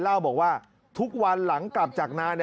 เล่าบอกว่าทุกวันหลังกลับจากนา